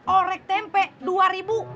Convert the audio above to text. orek tempe dua ribu